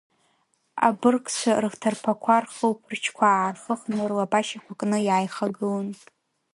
Абыргцәа, рыхҭарԥақәа, рхылԥарчқәа аархыхны, рлабашьақәа кны, иааихагылон.